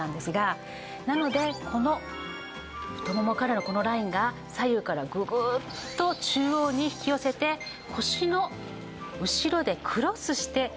なのでこの太ももからのこのラインが左右からググッと中央に引き寄せて腰の後ろでクロスして引き上げてあげる事で